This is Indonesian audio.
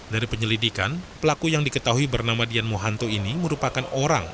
dari penyelidikan pelaku yang diketahui bernama dian mohanto ini merupakan orang